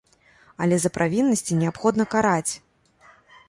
Але за правіннасці неабходна караць!